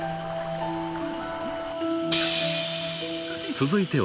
［続いては］